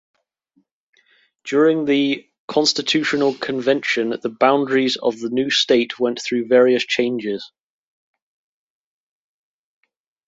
During the constitutional convention the boundaries of the new state went through various changes.